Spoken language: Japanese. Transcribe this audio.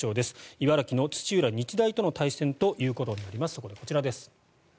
茨城の土浦日大との対戦となります、そこでこちらです。